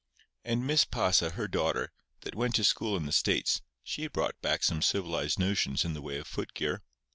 And Miss Pasa, her daughter, that went to school in the States—she brought back some civilized notions in the way of footgear.